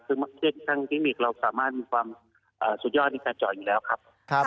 คือเช่นเทคนิคเราสามารถมีความสุดยอดในการจอดอยู่แล้วครับ